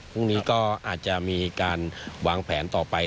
พรุ่งนี้ก็อาจจะมีการวางแผนต่อไป